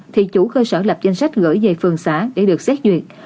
thì chủ cơ sở lập danh sách gửi về phường xã để được xét duyệt